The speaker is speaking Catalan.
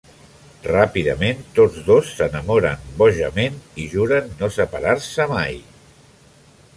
Ràpidament tots dos s'enamoren bojament i juren no separar-se mai.